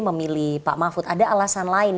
memilih pak mahfud ada alasan lain